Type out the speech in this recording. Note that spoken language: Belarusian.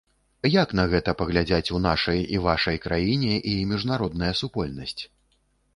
Як на гэта паглядзяць у нашай і вашай краіне, і міжнародная супольнасць?